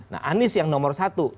nah anies yang nomor satu